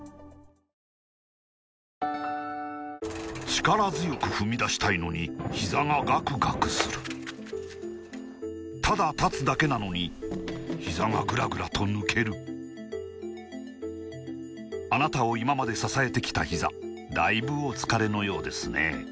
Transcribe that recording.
力強く踏み出したいのにひざがガクガクするただ立つだけなのにひざがグラグラと抜けるあなたを今まで支えてきたひざだいぶお疲れのようですね